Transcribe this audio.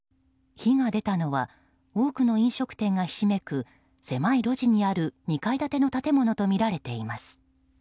火が出たのは多くの飲食店がひしめく狭い路地にある２階建ての建物とみられています。